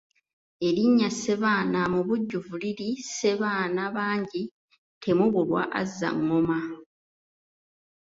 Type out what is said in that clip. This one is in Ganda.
Erinnya Ssebaana mu bujjuvu liri Ssebaana bangi temubulwa azza ngoma.